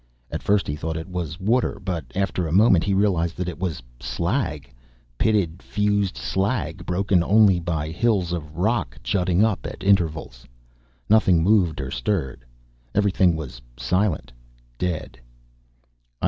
At first he thought it was water but after a moment he realized that it was slag, pitted, fused slag, broken only by hills of rock jutting up at intervals. Nothing moved or stirred. Everything was silent, dead.